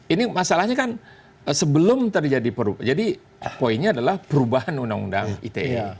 ini masalahnya kan sebelum terjadi perubahan jadi poinnya adalah perubahan undang undang ite